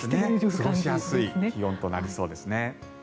過ごしやすい気温となりそうですね。